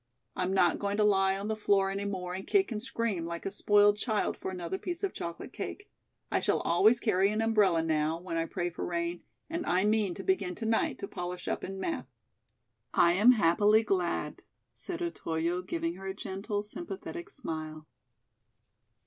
I'm not going to lie on the floor any more and kick and scream like a spoiled child for another piece of chocolate cake. I shall always carry an umbrella now when I pray for rain, and I mean to begin to night to polish up in math." "I am happily glad," said Otoyo, giving her a gentle, sympathetic smile.